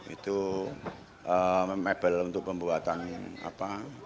itu mebel untuk pembuatan apa